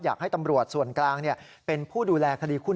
อยากให้ตำรวจส่วนกลางเป็นผู้ดูแลคดีหุ้น